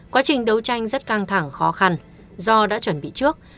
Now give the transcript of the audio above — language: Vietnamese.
quá trình đấu tranh rất căng thẳng khó khăn do đã chuẩn bị trước